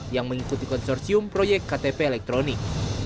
yang mengikuti konsorsium proyek ktp elektronik